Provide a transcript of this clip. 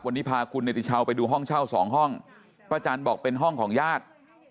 วันนี้พาคุณเนติชาวไปดูห้องเช่าสองห้องป้าจันบอกเป็นห้องของญาติ